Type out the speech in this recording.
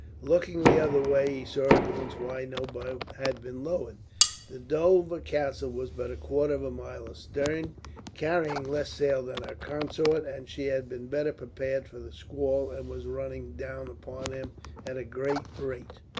Looking the other way, he saw at once why no boat had been lowered. The Dover Castle was but a quarter of a mile astern. Carrying less sail than her consort, she had been better prepared for the squall, and was running down upon him at a great rate.